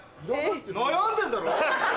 悩んでんだろ？